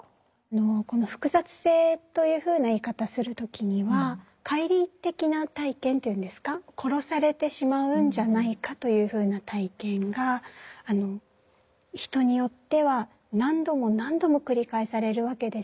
この「複雑性」というふうな言い方する時には解離的な体験というんですか殺されてしまうんじゃないかというふうな体験が人によっては何度も何度も繰り返されるわけですね。